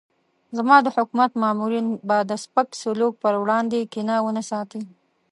زما د حکومت مامورین به د سپک سلوک پر وړاندې کینه ونه ساتي.